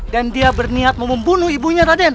dan dia berniat mau membunuh ibunya raden